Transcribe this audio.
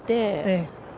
ええ。